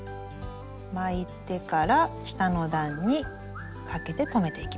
巻いてから下の段にかけて留めていきます。